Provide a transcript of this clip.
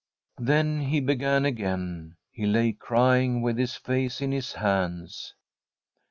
' Then he began again. He lay crying with his face in his hands.